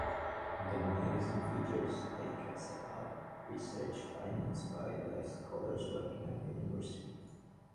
The magazine features articles about research findings by the scholars working at the university.